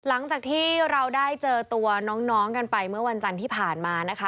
หลังจากที่เราได้เจอตัวน้องกันไปเมื่อวันจันทร์ที่ผ่านมานะคะ